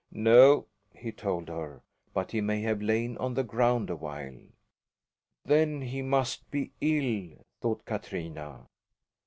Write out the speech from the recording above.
"No," he told her, but he may have lain on the ground a while. Then he must be ill, thought Katrina.